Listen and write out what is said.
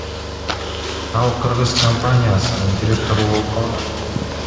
Ал кыргыз компаниясынын директору болуп калган.